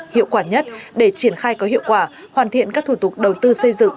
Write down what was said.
hiệu quả nhất để triển khai có hiệu quả hoàn thiện các thủ tục đầu tư xây dựng